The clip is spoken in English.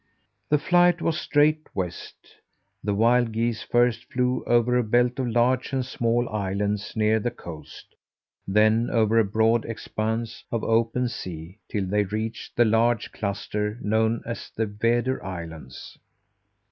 The flight was straight west. The wild geese first flew over a belt of large and small islands near the coast, then over a broad expanse of open sea, till they reached the large cluster known as the Väder Islands.